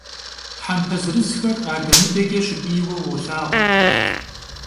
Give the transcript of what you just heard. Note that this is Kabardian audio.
Thempe zırızxer ade - mıdeç'e şıp'iyue vuolhağu.